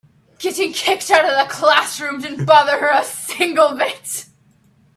Getting kicked out of the classroom didn't bother her a single bit.